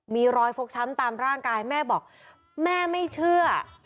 มีรอยฟกช้ำตามร่างกายแม่บอกแม่ไม่เชื่อ